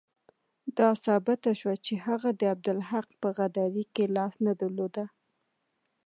دا ثابته شوه چې هغه د عبدالحق په غداري کې لاس نه درلود.